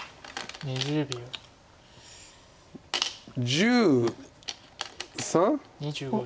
１３。